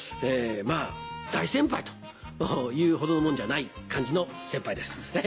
まぁ大先輩というほどのもんじゃない感じの先輩です。